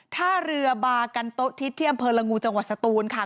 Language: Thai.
ท่าเรือบากันโต๊ะทิศที่อำเภอละงูจังหวัดสตูนค่ะ